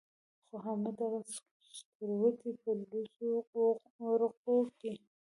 خو حامد دغه سکروټې په لوڅو ورغوو کې.